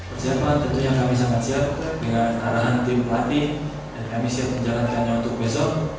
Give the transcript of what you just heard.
persiapan tentunya kami sangat siap dengan arahan tim pelatih dan kami siap menjalankannya untuk besok